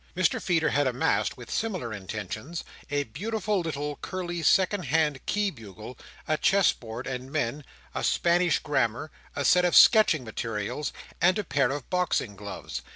Mr Feeder had amassed, with similar intentions, a beautiful little curly secondhand key bugle, a chess board and men, a Spanish Grammar, a set of sketching materials, and a pair of boxing gloves.